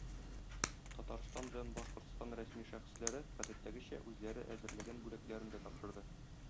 Татарстан белән Башкортстан рәсми шәхесләре, гадәттәгечә, үзләре әзерләгән бүләкләрне дә тапшырды.